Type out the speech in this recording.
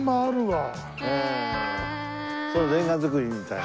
そのレンガ造りみたいな。